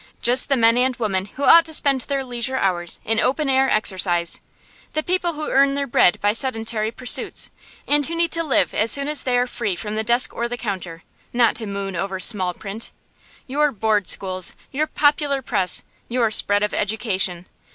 Just the men and women who ought to spend their leisure hours in open air exercise; the people who earn their bread by sedentary pursuits, and who need to live as soon as they are free from the desk or the counter, not to moon over small print. Your Board schools, your popular press, your spread of education!